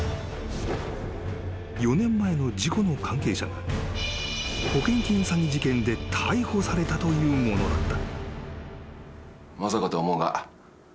［４年前の事故の関係者が保険金詐欺事件で逮捕されたというものだった］